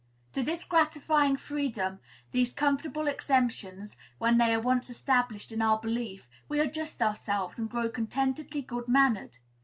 To this gratifying freedom, these comfortable exemptions, when they are once established in our belief, we adjust ourselves, and grow contentedly good mannered.